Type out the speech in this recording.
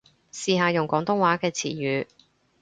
試下用廣東話嘅詞語